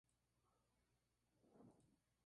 Es el sitio más visitado de la ciudad.